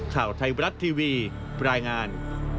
ข่าวไทยบรัฐทีวีรายงาน